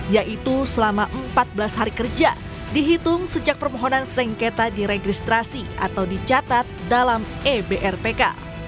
yaitu selama empat belas hari kerja dihitung sejak permohonan sengketa diregistrasi atau dicatat dalam ebrpk